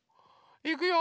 いくよ！